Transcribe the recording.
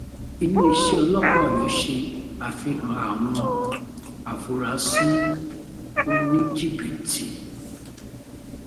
Iléeṣẹ́ ọlọ́pàá Ọ̀yọ́ ṣe àfihàn àwọn afurasí oníjìbìtì.